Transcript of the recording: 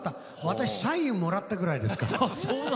私サインをもらったぐらいですから。